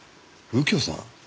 右京さん！